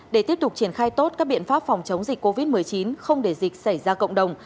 để tiếp tục triển khai tốt các biện pháp phòng chống dịch covid một mươi chín không để dịch xảy ra cộng đồng